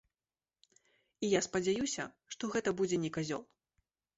І я спадзяюся, што гэта будзе не казёл.